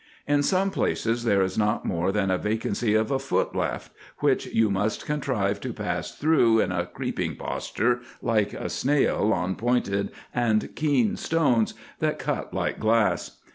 In some places there is not more than a vacancy of a foot left, which you must contrive to pass through in a creeping posture like a snail, on pointed and keen stones, that cut like glass.